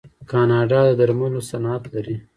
کاناډا د درملو صنعت لري.